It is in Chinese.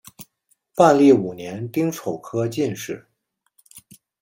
万历五年丁丑科进士。